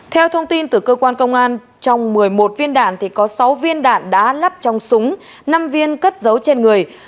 theo thông tin từ cơ quan công an trong một mươi một viên đạn có sáu viên đạn đã lắp trong súng năm viên cất dấu trên người